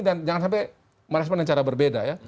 dan jangan sampai merespon dengan cara berbeda ya